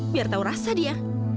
biar tahu rasa dia